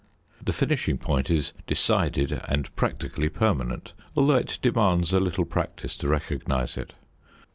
The finishing point is decided and practically permanent, although it demands a little practice to recognise it.